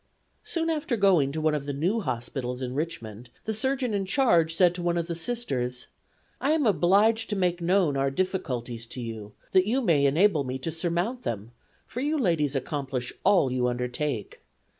Soon after going to one of the new hospitals in Richmond the surgeon in charge said to one of the Sisters: "I am obliged to make known our difficulties to you that you may enable me to surmount them, for you ladies accomplish all you undertake.